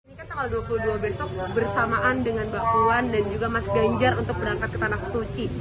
ini kan tanggal dua puluh dua besok bersamaan dengan mbak puan dan juga mas ganjar untuk berangkat ke tanah suci